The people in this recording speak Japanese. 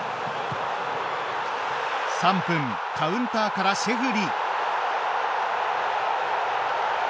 ３分、カウンターからシェフリ！